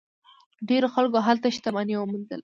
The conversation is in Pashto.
ډیرو خلکو هلته شتمني وموندله.